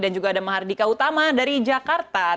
hanum dan seril